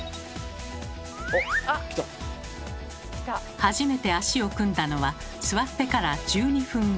初めて足を組んだのは座ってから１２分後。